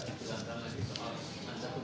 jika memang yang dituduhkan ini tidak benar